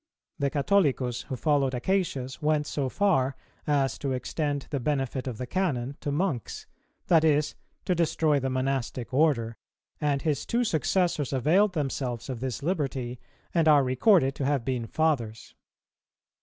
The Catholicus who followed Acacius went so far as to extend the benefit of the Canon to Monks, that is, to destroy the Monastic order; and his two successors availed themselves of this liberty, and are recorded to have been fathers.